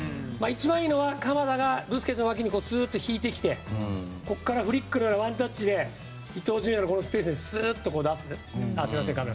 一番いいのは鎌田がブスケツの脇に引いてきてここからフリックなりワンタッチで伊東純也のスペースにすっと出す。